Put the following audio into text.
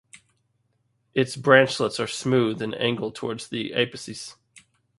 Its branchlets are smooth and angle towards the apices.